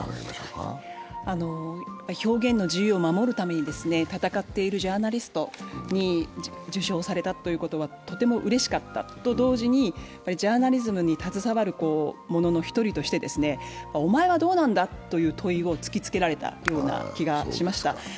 表現の自由を守るために戦っているジャーナリストに授賞されたということはとてもうれしかったと同時にジャーナリズムに携わる者の１人としてお前はどうなんだという問いを突きつけられたような気がしました。